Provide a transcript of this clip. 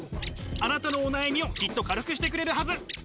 あなたのお悩みをきっと軽くしてくれるはず。